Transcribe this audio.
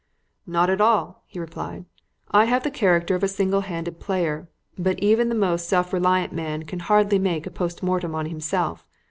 "Not at all," he replied. "I have the character of a single handed player, but even the most self reliant man can hardly make a post mortem on himself.